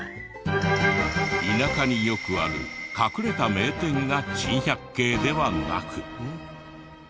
田舎によくある隠れた名店が珍百景ではなく。